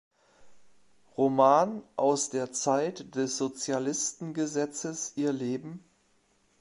Roman aus der Zeit des Sozialistengesetzes" ihr Leben.